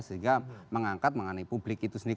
sehingga mengangkat mengenai publik itu sendiri